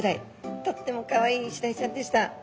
とってもかわいいイシダイちゃんでした。